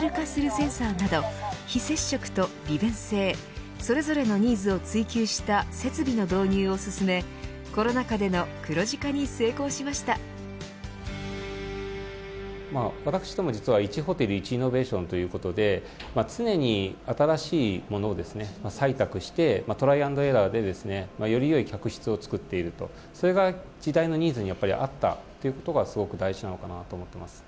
センサーなど非接触と利便性それぞれのニーズを追求した設備の導入を進めコロナ禍での黒字化に私ども実は１ホテル１イノベーションということで常に新しいものを採択して、トライ＆エラーでよりよい客室を作っているとそれが時代のニーズに合ったということがすごく大事なのかなと思っています。